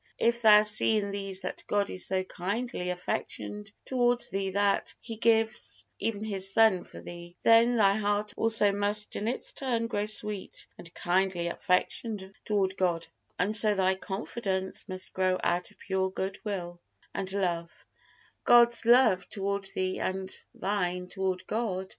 If thou see in these that God is so kindly affectioned toward thee that He gives even His Son for thee, then thy heart also must in its turn grow sweet and kindly affectioned toward God, and so thy confidence must grow out of pure good will and love God's love toward thee and thine toward God.